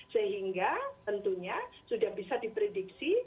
sehingga tentunya sudah bisa diprediksi